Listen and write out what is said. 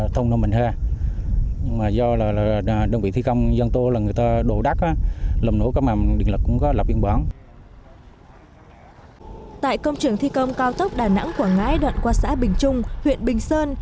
tại công trường thi công cao tốc đà nẵng quảng ngãi đoạn qua xã bình trung huyện bình sơn